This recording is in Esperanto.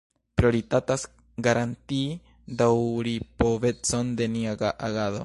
Prioritatas garantii daŭripovecon de nia agado.